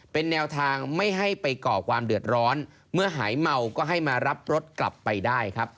เป็นแนวทางไม่ให้ไปก่อความเดือดร้อนเมื่อหายเมาก็ให้มารับรถกลับไปได้ครับ